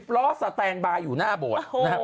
ล้อสแตนบาร์อยู่หน้าโบสถ์นะครับ